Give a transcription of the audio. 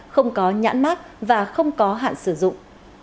không có nhãn mát và không có hạn sử dụng